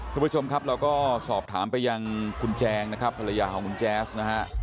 คุณผู้ชมครับเราก็สอบถามไปยังคุณแจงนะครับภรรยาของคุณแจ๊สนะฮะ